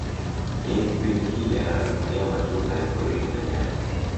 Yeye kipindi kile anagombania matunda ya porini na nyani